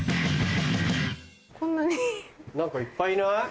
何かいっぱいいない？